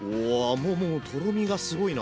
もうもうとろみがすごいな。